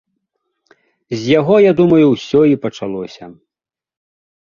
З яго, я думаю, усё і пачалося.